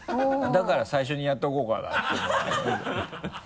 だから最初にやっておこうかなと